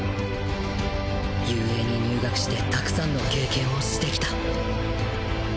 雄英に入学してたくさんの経験をしてきた